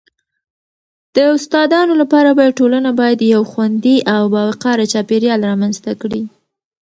د استادانو لپاره باید ټولنه باید یو خوندي او باوقاره چاپیریال رامنځته کړي..